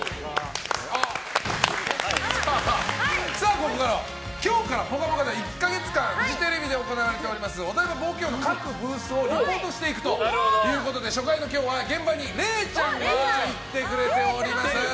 ここからは、今日から「ぽかぽか」では１か月間フジテレビで行われているお台場冒険王の各ブースをリポートしていくということで初回の今日は現場にれいちゃんが行ってくれています。